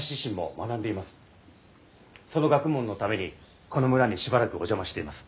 その学問のためにこの村にしばらくお邪魔しています。